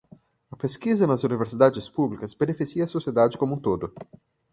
A pesquisa nas universidades públicas beneficia a sociedade como um todo.